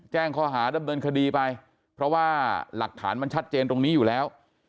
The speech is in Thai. แจ้งข้อหาดำเนินคดีไปเพราะว่าหลักฐานมันชัดเจนตรงนี้อยู่แล้ว